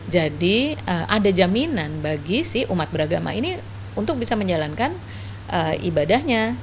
jadi ada jaminan bagi si umat beragama ini untuk bisa menjalankan ibadahnya